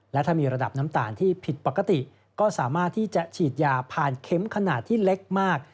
และถ้ามีระดับน้ำตาลที่ผิดปกติก็สามารถที่จะฉีดยาผ่านเข็มขนาดที่เล็กมาก